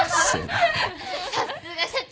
さっすが社長。